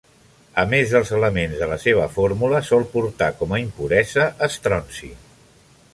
A més dels elements de la seva fórmula, sol portar com a impuresa estronci.